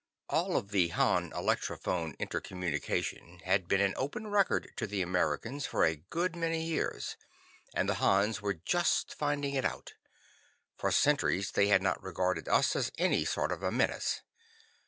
All of the Han electrophone inter communication had been an open record to the Americans for a good many years, and the Hans were just finding it out. For centuries they had not regarded us as any sort of a menace.